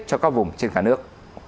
cho các vùng trên cả nước